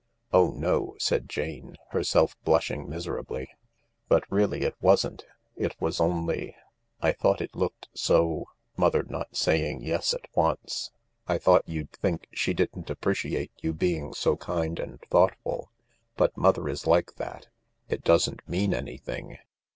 " Oh no," said Jane, herself blushing miserably. " But really it wasn't. It was only ... I thought it looked so, mother not saying yes at once. I thought you'd think she didn't appreciate you being so kind and thought ful. But mother is like that. It doesn't mean anything.